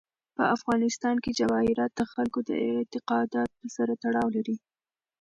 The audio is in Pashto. په افغانستان کې جواهرات د خلکو د اعتقاداتو سره تړاو لري.